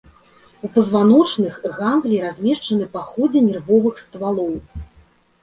У пазваночных ганглій размешчаны па ходзе нервовых ствалоў.